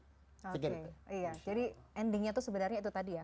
oke iya jadi endingnya itu sebenarnya itu tadi ya